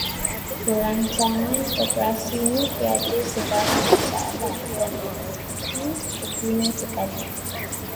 Perancangan operasinya tiada sebarang masalah dan begitu sempurna sekali